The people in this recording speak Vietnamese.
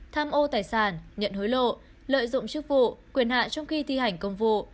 tham ô tài sản nhận hối lộ lợi dụng chức vụ quyền hạn trong khi thi hành công vụ